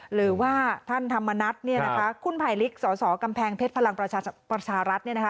หรือว่าท่านธรรมนัฐคุณภัยลิกสสกำแพงเพชรพลังประชารัฐ